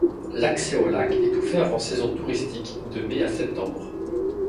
L'accès au lac est ouvert en saison touristique, de mai à septembre.